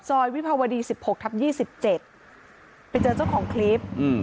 ซอยวิภาวดีสิบหกทับยี่สิบเจ็ดไปเจอเจ้าของคลิปอืม